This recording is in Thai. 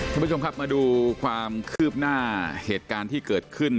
คุณผู้ชมครับมาดูความคืบหน้าเหตุการณ์ที่เกิดขึ้น